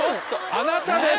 あなたです！